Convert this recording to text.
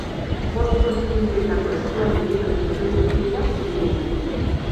Bost kontinenteetako eskualde bero eta epel guztietan bizi dira.